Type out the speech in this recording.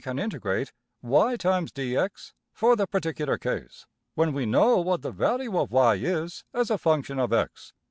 png}% integrate $y · dx$ for the particular case, when we know what the value of~$y$ is as a function of~$x$.